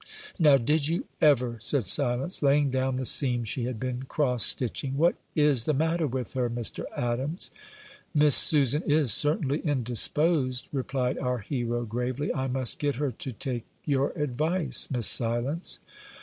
"Now, did you ever?" said Silence, laying down the seam she had been cross stitching; "what is the matter with her, Mr. Adams?" "Miss Susan is certainly indisposed," replied our hero gravely. "I must get her to take your advice, Miss Silence."